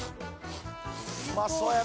うまそうやな